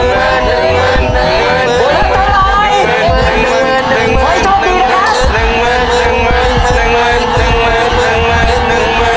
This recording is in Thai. หนึ่งหมื่น